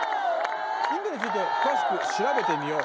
インドについて詳しく調べてみよう。